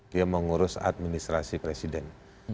dia mengurus administrasi presiden